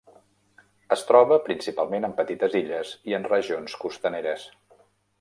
Es troba principalment en petites illes i en regions costaneres.